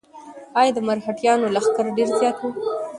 ایا د مرهټیانو لښکر ډېر زیات و؟